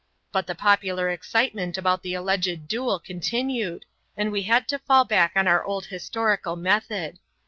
But the popular excitement about the alleged duel continued, and we had to fall back on our old historical method.